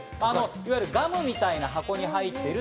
いわゆるガムみたいな箱に入っている。